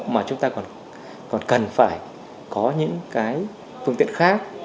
mà chúng ta còn cần phải có những cái phương tiện khác